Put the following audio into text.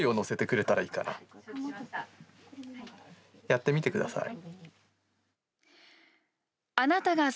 やってみてください。